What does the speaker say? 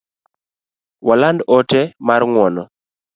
Waland ote mar ng’uono